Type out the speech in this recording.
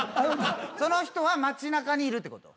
その人は街中にいるってこと？